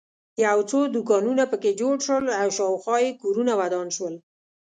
یو څو دوکانونه په کې جوړ شول او شاخوا یې کورونه ودان شول.